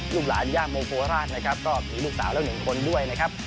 ลูกหลานย่าโมโคราชนะครับก็มีลูกสาวแล้วหนึ่งคนด้วยนะครับ